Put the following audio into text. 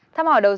thăm hỏi đầu xuân